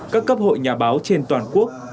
các cấp hội nhà báo trên toàn quốc